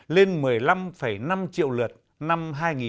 lên một mươi năm năm triệu lượt năm hai nghìn một mươi tám